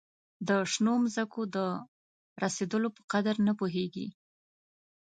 د شنو مځکو د رسېدلو په قدر نه پوهیږي.